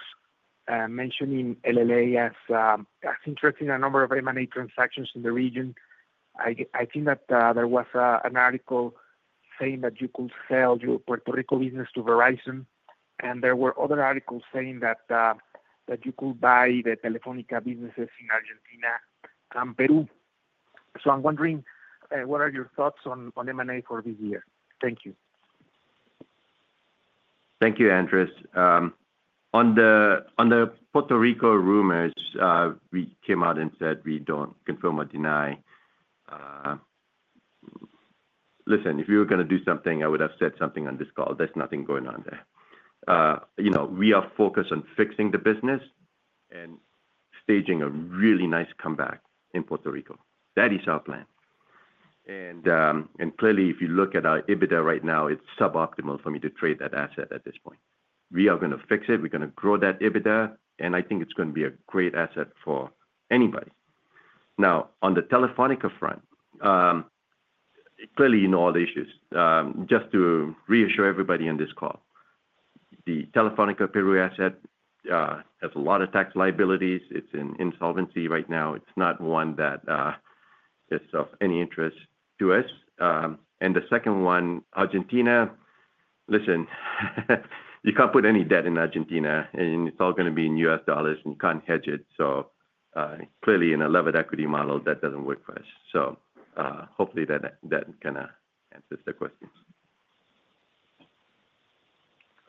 mentioning LLA as interested in a number of M&A transactions in the region. I think that there was an article saying that you could sell your Puerto Rico business to Verizon, and there were other articles saying that you could buy the Telefónica businesses in Argentina and Peru. So I'm wondering, what are your thoughts on M&A for this year? Thank you. Thank you, Andres. On the Puerto Rico rumors, we came out and said we don't confirm or deny. Listen, if you were going to do something, I would have said something on this call. There's nothing going on there. You know, we are focused on fixing the business and staging a really nice comeback in Puerto Rico. That is our plan. And clearly, if you look at our EBITDA right now, it's suboptimal for me to trade that asset at this point. We are going to fix it. We're going to grow that EBITDA, and I think it's going to be a great asset for anybody. Now, on the Telefónica front, clearly, you know all the issues. Just to reassure everybody on this call, the Telefónica Peru asset has a lot of tax liabilities. It's in insolvency right now. It's not one that is of any interest to us. And the second one, Argentina, listen, you can't put any debt in Argentina, and it's all going to be in U.S. dollars, and you can't hedge it. So clearly, in a levered equity model, that doesn't work for us. So hopefully that kind of answers the questions.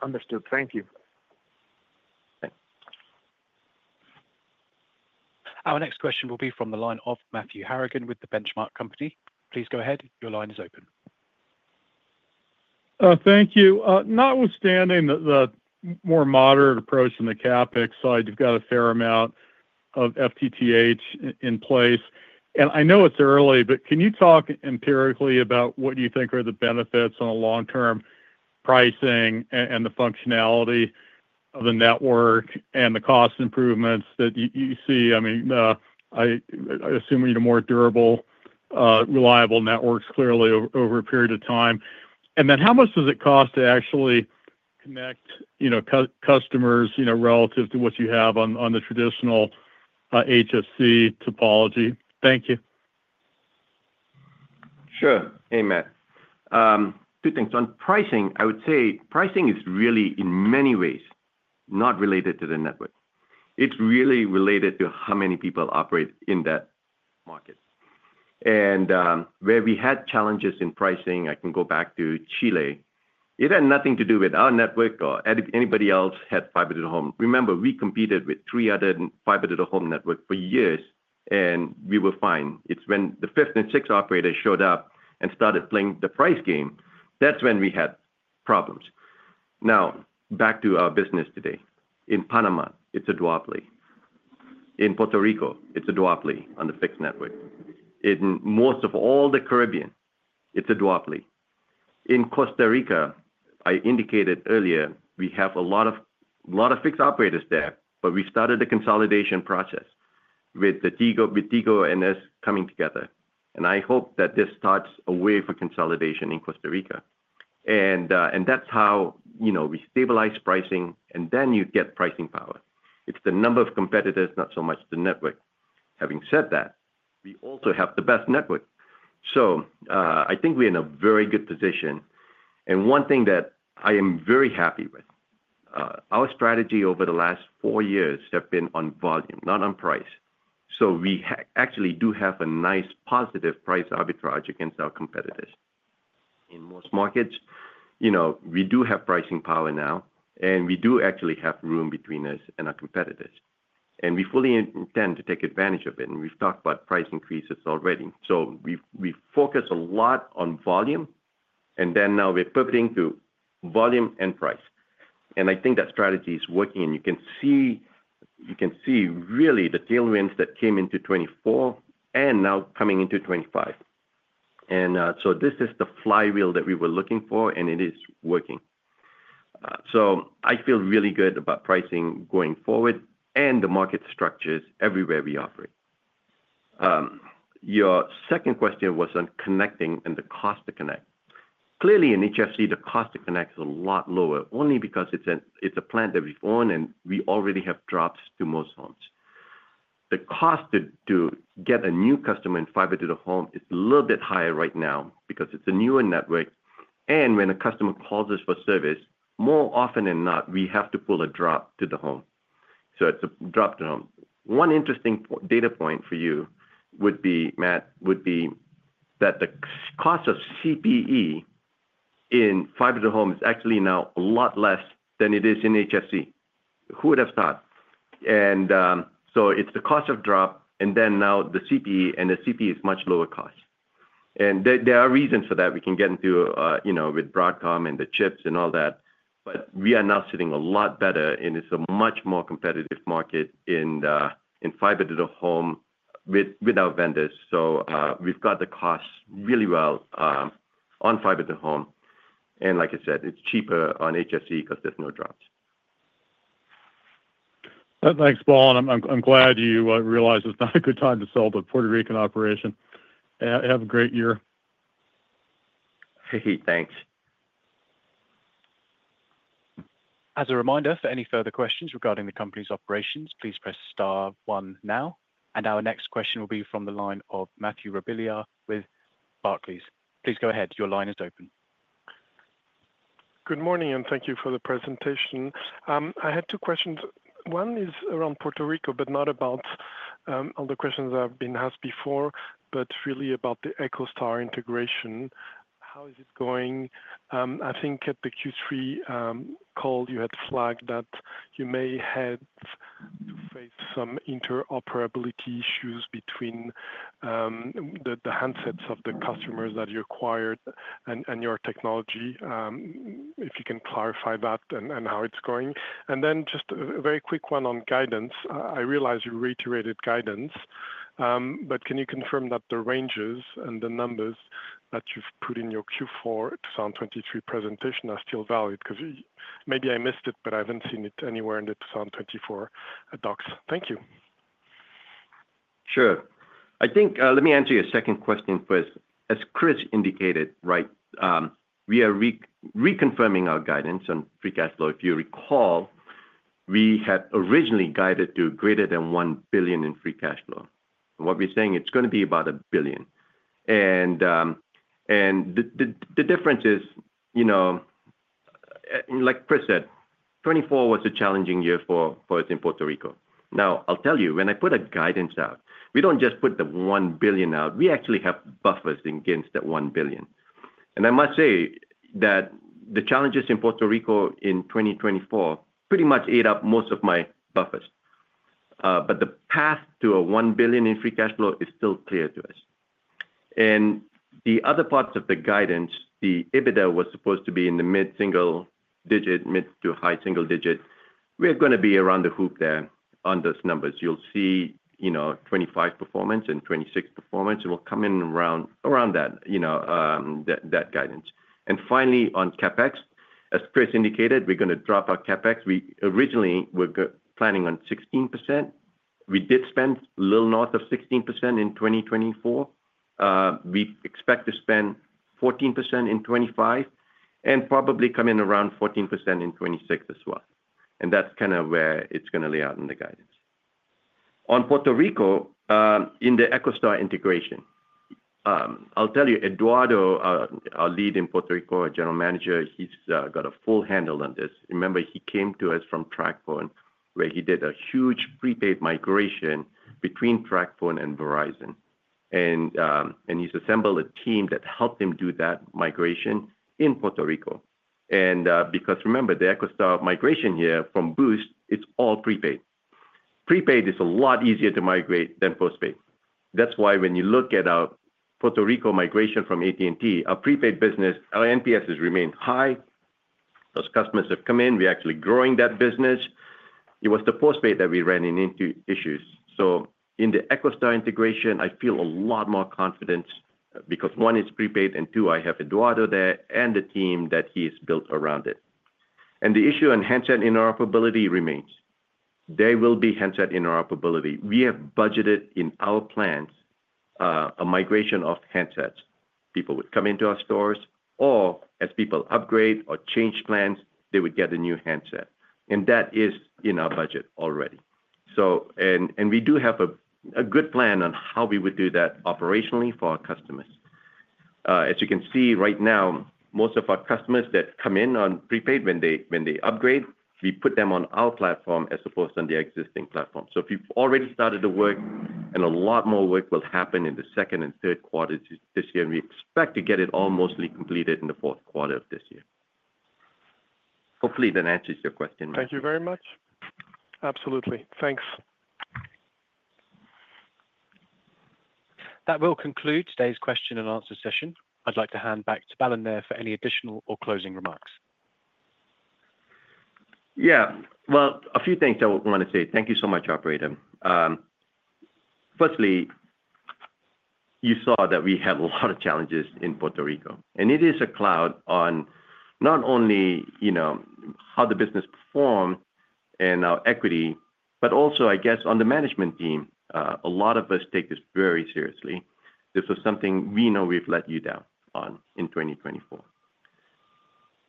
Understood. Thank you. Thanks. Our next question will be from the line of Matthew Harrigan with The Benchmark Company. Please go ahead. Your line is open. Thank you. Notwithstanding the more moderate approach on the CapEx side, you've got a fair amount of FTTH in place. And I know it's early, but can you talk empirically about what you think are the benefits on a long-term pricing and the functionality of the network and the cost improvements that you see? I mean, I assume you need a more durable, reliable network clearly over a period of time. And then how much does it cost to actually connect, you know, customers, you know, relative to what you have on the traditional HFC topology? Thank you. Sure. Hey, Matt. Two things. On pricing, I would say pricing is really, in many ways, not related to the network. It's really related to how many people operate in that market, and where we had challenges in pricing, I can go back to Chile. It had nothing to do with our network or anybody else had fiber to the home. Remember, we competed with three other fiber to the home network for years, and we were fine. It's when the fifth and sixth operator showed up and started playing the price game. That's when we had problems. Now, back to our business today. In Panama, it's a duopoly. In Puerto Rico, it's a duopoly on the fixed network. In most of all the Caribbean, it's a duopoly. In Costa Rica, I indicated earlier, we have a lot of fixed operators there, but we started the consolidation process with the Tigo and us coming together. I hope that this starts a way for consolidation in Costa Rica. And that's how, you know, we stabilize pricing, and then you get pricing power. It's the number of competitors, not so much the network. Having said that, we also have the best network. So I think we're in a very good position. And one thing that I am very happy with, our strategy over the last four years has been on volume, not on price. So we actually do have a nice positive price arbitrage against our competitors. In most markets, you know, we do have pricing power now, and we do actually have room between us and our competitors. And we fully intend to take advantage of it. And we've talked about price increases already. So we focus a lot on volume, and then now we're pivoting to volume and price. I think that strategy is working, and you can see really the tailwinds that came into 2024 and now coming into 2025. And so this is the flywheel that we were looking for, and it is working. So I feel really good about pricing going forward and the market structures everywhere we operate. Your second question was on connecting and the cost to connect. Clearly, in HFC, the cost to connect is a lot lower only because it's a plant that we've owned, and we already have drops to most homes. The cost to get a new customer in fiber to the home is a little bit higher right now because it's a newer network. And when a customer calls us for service, more often than not, we have to pull a drop to the home. So it's a drop to the home. One interesting data point for you would be, Matt, would be that the cost of CPE in fiber to the home is actually now a lot less than it is in HFC. Who would have thought? And so it's the cost of drop, and then now the CPE, and the CPE is much lower cost. And there are reasons for that. We can get into, you know, with Broadcom and the chips and all that. But we are now sitting a lot better, and it's a much more competitive market in fiber to the home with our vendors. So we've got the cost really well on fiber to the home. And like I said, it's cheaper on HFC because there's no drops. Thanks, Paul. And I'm glad you realized it's not a good time to sell the Puerto Rican operation. Have a great year. Hey, thanks. As a reminder, for any further questions regarding the company's operations, please press star one now. And our next question will be from the line of Mathieu Robilliard with Barclays. Please go ahead. Your line is open. Good morning, and thank you for the presentation. I had two questions. One is around Puerto Rico, but not about all the questions that have been asked before, but really about the EchoStar integration. How is it going? I think at the Q3 call, you had flagged that you may have to face some interoperability issues between the handsets of the customers that you acquired and your technology. If you can clarify that and how it's going? And then just a very quick one on guidance. I realize you reiterated guidance, but can you confirm that the ranges and the numbers that you've put in your Q4 2023 presentation are still valid? Because maybe I missed it, but I haven't seen it anywhere in the 2024 docs. Thank you. Sure. I think, let me answer your second question first. As Chris indicated, right, we are reconfirming our guidance on free cash flow. If you recall, we had originally guided to greater than $1 billion in free cash flow. What we're saying, it's going to be about $1 billion. And the difference is, you know, like Chris said, 2024 was a challenging year for us in Puerto Rico. Now, I'll tell you, when I put a guidance out, we don't just put the $1 billion out. We actually have buffers against that $1 billion. And I must say that the challenges in Puerto Rico in 2024 pretty much ate up most of my buffers. But the path to $1 billion in free cash flow is still clear to us. And the other parts of the guidance, the EBITDA was supposed to be in the mid-single digit, mid- to high-single digit. We're going to be around the hoop there on those numbers. You'll see, you know, 2025 performance and 2026 performance, and we'll come in around that, you know, that guidance. And finally, on CapEx, as Chris indicated, we're going to drop our CapEx. We originally were planning on 16%. We did spend a little north of 16% in 2024. We expect to spend 14% in 2025 and probably come in around 14% in 2026 as well. And that's kind of where it's going to lay out in the guidance. On Puerto Rico, in the EchoStar integration, I'll tell you, Eduardo, our lead in Puerto Rico, our general manager, he's got a full handle on this. Remember, he came to us from TracFone, where he did a huge prepaid migration between TracFone and Verizon. And he's assembled a team that helped him do that migration in Puerto Rico. And because, remember, the EchoStar migration here from Boost, it's all prepaid. Prepaid is a lot easier to migrate than postpaid. That's why when you look at our Puerto Rico migration from AT&T, our prepaid business, our NPS has remained high. Those customers have come in. We're actually growing that business. It was the postpaid that we ran into issues. So in the EchoStar integration, I feel a lot more confident because one, it's prepaid, and two, I have Eduardo there and the team that he has built around it. And the issue on handset interoperability remains. There will be handset interoperability. We have budgeted in our plans a migration of handsets. People would come into our stores, or as people upgrade or change plans, they would get a new handset, and that is in our budget already. So, and we do have a good plan on how we would do that operationally for our customers. As you can see right now, most of our customers that come in on prepaid, when they upgrade, we put them on our platform as opposed to on the existing platform. So if you've already started the work, and a lot more work will happen in the second and third quarters this year, and we expect to get it all mostly completed in the fourth quarter of this year. Hopefully, that answers your question, Matt. Thank you very much. Absolutely. Thanks. That will conclude today's question and answer session. I'd like to hand back to Balan Nair for any additional or closing remarks. Yeah. A few things I want to say. Thank you so much, Operator. Firstly, you saw that we have a lot of challenges in Puerto Rico. It is a cloud on not only, you know, how the business performed and our equity, but also, I guess, on the management team. A lot of us take this very seriously. This was something we know we've let you down on in 2024.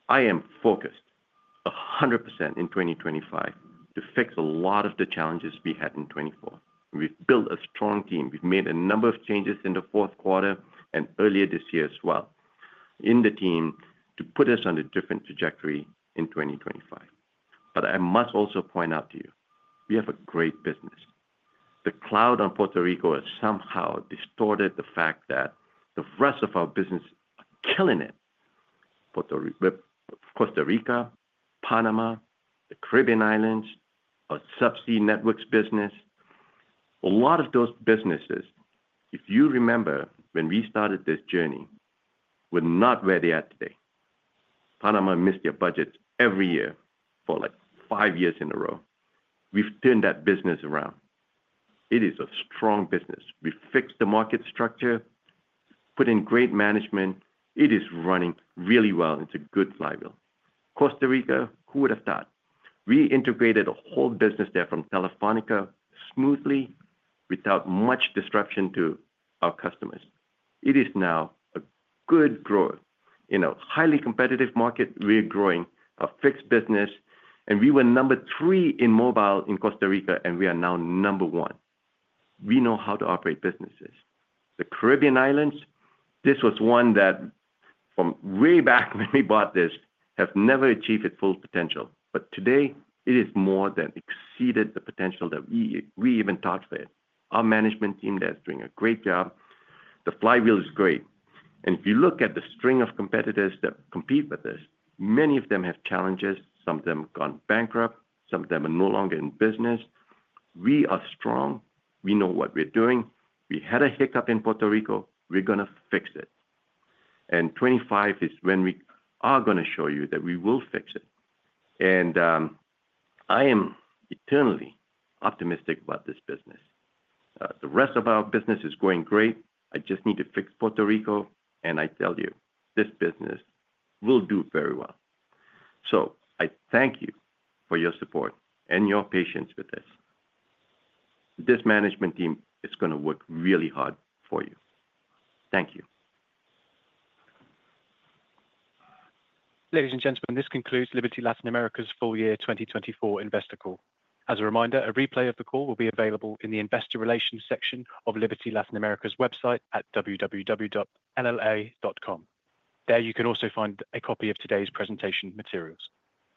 I am focused 100% in 2025 to fix a lot of the challenges we had in 2024. We've built a strong team. We've made a number of changes in the fourth quarter and earlier this year as well in the team to put us on a different trajectory in 2025. I must also point out to you, we have a great business. The cloud on Puerto Rico has somehow distorted the fact that the rest of our business are killing it. Costa Rica, Panama, the Caribbean Islands, our subsea networks business, a lot of those businesses, if you remember when we started this journey, were not where they are today. Panama missed their budgets every year for like five years in a row. We've turned that business around. It is a strong business. We fixed the market structure, put in great management. It is running really well. It's a good flywheel. Costa Rica, who would have thought? We integrated a whole business there from Telefónica smoothly without much disruption to our customers. It is now a good growth in a highly competitive market. We're growing our fixed business, and we were number three in mobile in Costa Rica, and we are now number one. We know how to operate businesses. The Caribbean Islands, this was one that from way back when we bought this, has never achieved its full potential. But today, it has more than exceeded the potential that we even thought for it. Our management team there is doing a great job. The flywheel is great. And if you look at the string of competitors that compete with us, many of them have challenges. Some of them have gone bankrupt. Some of them are no longer in business. We are strong. We know what we're doing. We had a hiccup in Puerto Rico. We're going to fix it. And 2025 is when we are going to show you that we will fix it. And I am eternally optimistic about this business. The rest of our business is going great. I just need to fix Puerto Rico, and I tell you, this business will do very well. So I thank you for your support and your patience with us. This management team is going to work really hard for you. Thank you. Ladies and gentlemen, this concludes Liberty Latin America's full year 2024 investor call. As a reminder, a replay of the call will be available in the investor relations section of Liberty Latin America's website at www.libertylatinamerica.com. There you can also find a copy of today's presentation materials.